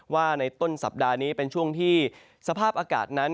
ว่าในต้นสัปดาห์นี้เป็นช่วงที่สภาพอากาศนั้น